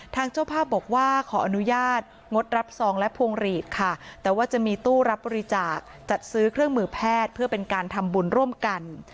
เจ้าภาพบอกว่าขออนุญาตงดรับซองและพวงหลีดค่ะแต่ว่าจะมีตู้รับบริจาคจัดซื้อเครื่องมือแพทย์เพื่อเป็นการทำบุญร่วมกัน